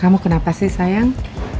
kamu kenapa sih sayang